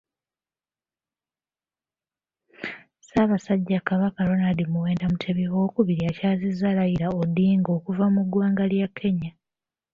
Ssaabasajja Kabaka Ronald Muwenda Mutebi II akyazizza Raila Odinga okuva mu ggwanga lya Kenya.